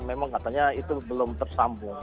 memang katanya itu belum tersambung